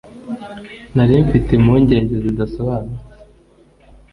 Nari mfite impungenge zidasobanutse